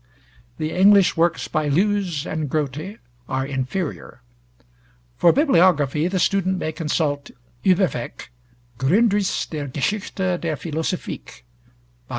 The English works by Lewes and Grote are inferior. For Bibliography, the student may consult Ueberweg, 'Grundriss der Geschichte der Philosophic,' Vol.